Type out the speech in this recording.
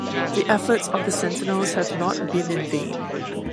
The efforts of the sentinels have not been in vain.